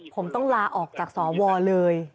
ผมต้องลาออกจากสวเลย